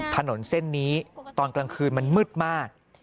ถนนเส้นนี้ตอนกลางคืนมันมืดมาก